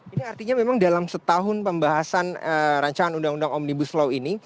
ini artinya memang dalam setahun pembahasan rancangan undang undang omnibus law ini